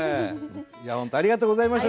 本当ありがとうございました。